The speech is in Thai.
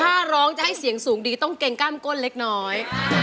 ถ้าร้องจะให้เสียงสูงดีต้องเกรงกล้ามก้นเล็กน้อย